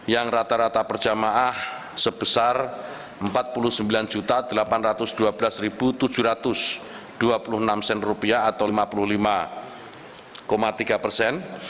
yang rata rata per jemaah sebesar rp empat puluh sembilan delapan ratus dua belas tujuh ratus dua puluh enam atau rp lima puluh lima tiga persen